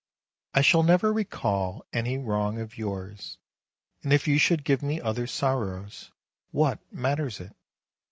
1 shall never recall any wrong of yours ; and if you should give me other sorrows, what matters it?